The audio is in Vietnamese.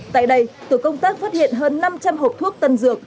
tại đây tổ công tác phát hiện hơn năm trăm linh hộp thuốc tân dược